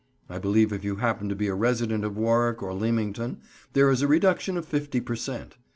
I believe if you happen to be a resident of Warwick or Leamington, there is a reduction of fifty per cent.